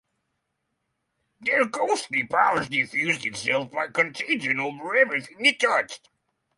Their ghostly power diffused itself by contagion over everything it touched.